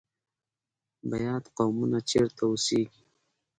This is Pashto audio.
بیات قومونه چیرته اوسیږي؟